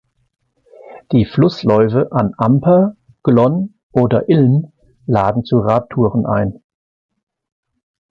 Die Flussläufe an Amper, Glonn oder Ilm laden zu Radtouren ein.